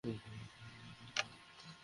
জানি না কি বলবো।